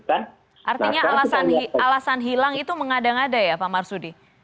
artinya alasan hilang itu mengada ngada ya pak marsudi